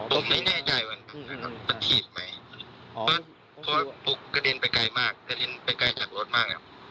ผมไม่แน่ใจว่านั้นจะทีดไหมเพราะพวกกระเด็นไปไกลจากรถมากครับ